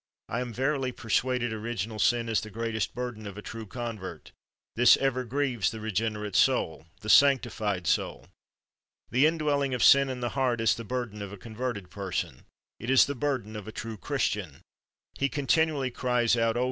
I am verily per suaded original sin is the greatest burden of a true convert ; this ever grieves the regenerate soul, the sanctified soul. The indwelling of sin in the heart is the burden of a converted person; it is the burden of a true Christian. He continually cries out: "Oh!